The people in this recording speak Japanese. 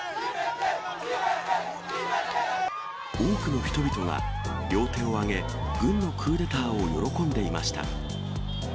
多くの人々が両手を挙げ、軍のクーデターを喜んでいました。